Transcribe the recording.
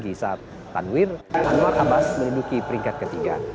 pemilihan yang tinggi saat tanwir anwar abbas menuduki peringkat ketiga